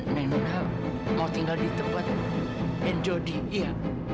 nek nona mau tinggal di tempat yang jodoh iya